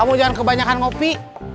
kamu jangan kebanyakan ngopi